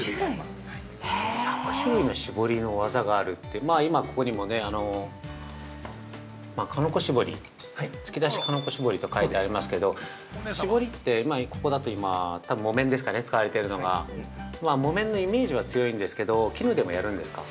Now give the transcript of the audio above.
◆１００種類の絞りの技があるって、今ここにも、鹿の子絞り突き出し鹿の子絞りと書いてありますけど、絞りって、ここだと今多分木綿ですかね、使われているのが、木綿のイメージは強いんですけど、絹でもやるんですか。